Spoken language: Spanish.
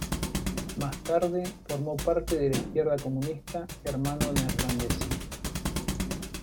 Más tarde formó parte de la izquierda comunista germano-neerlandesa.